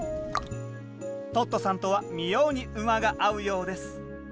トットさんとは妙に馬が合うようです。